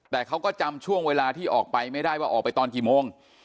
แต่เขาก็จำช่วงเวลาที่ออกไปไม่ได้ว่าออกไปตอนกี่โมง